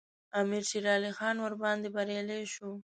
امیر شېرعلي خان ورباندې بریالی شو.